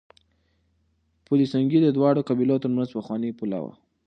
پل سنګي د دواړو قبيلو ترمنځ پخوانۍ پوله وه.